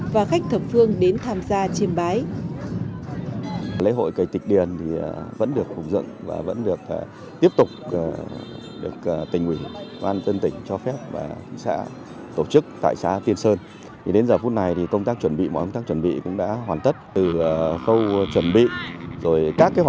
và khách thập phương đến tham gia chiêm bái